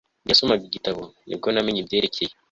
igihe nasomaga igitabo ni bwo namenye ibyerekeye